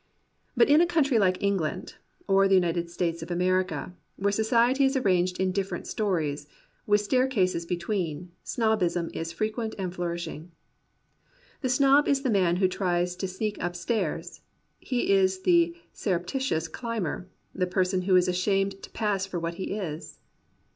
But in a country like England or the United States of America, where society is arranged in different stories, with staircases between, snobbism is fre quent and flourishing. The snob is the man who tries to sneak upstairs. He is the surreptitious climhery the person who is ashamed to pass for what he is.